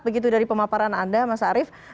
begitu dari pemaparan anda mas arief